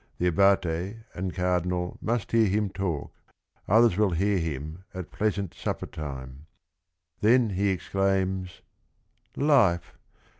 The Abate and Cardinal must hear him talk, others will hear them at "pleasant supper time." Then he exclaims: "Life!